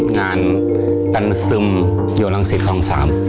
งานกันซึมอยู่รังศิษย์ทาง๓